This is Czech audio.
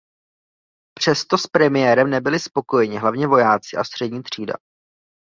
Přesto s premiérem nebyli spokojeni hlavně vojáci a střední třída.